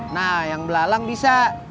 nah yang belalang bisa